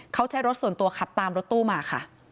เขาใช้รถส่วนตัวขับตามรถตู้มาค่ะ